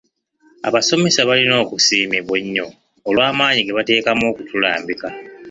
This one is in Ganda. Abasomesa balina okusiimibwa ennyo olw'amaanyi ge bateekamu okutulambika.